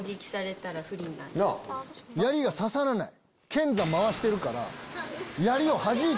剣山回してるから。